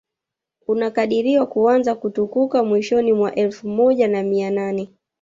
unakadiriwa kuanza kutukuka mwishoni mwa elfu moja na mia nane